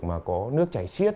mà có nước chảy xiết